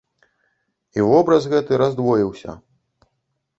І вобраз гэты раздвоіўся.